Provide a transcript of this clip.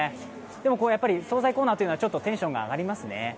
でも、総菜コーナーというのはちょっとテンションが上がりますね。